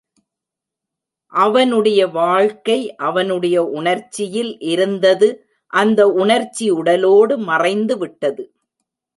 அவனுடைய வாழ்க்கை அவனுடைய உணர்ச்சியில் இருந்தது அந்த உணர்ச்சி உடலோடு மறைந்து விட்டது.